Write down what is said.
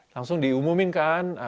langsung diumumin kan